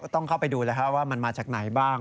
ต้องเข้าไปดูแล้วว่ามันมาจากไหนบ้าง